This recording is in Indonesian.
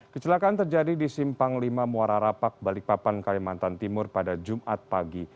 kecelakaan terjadi di simpang lima muara rapak balikpapan kalimantan timur pada jumat pagi